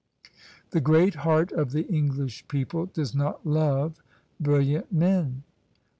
The great heart of the English people does not love brilliant men."